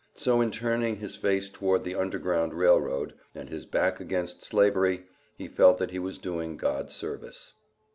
So in turning his face towards the Underground Rail Road, and his back against slavery, he felt that he was doing God service.